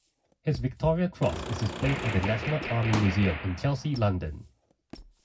His Victoria Cross is displayed at the National Army Museum in Chelsea, London.